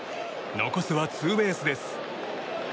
残すはツーベースです。